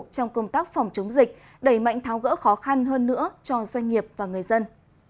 trong công tác phòng chống dịch đẩy mạnh tháo gỡ khó khăn hơn nữa cho doanh nghiệp và người dân